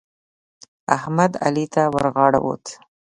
احمد؛ علي ته ورغاړه وت.